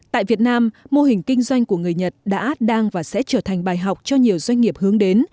tại việt nam mô hình kinh doanh của người nhật đã đang và sẽ trở thành bài học cho nhiều doanh nghiệp hướng đến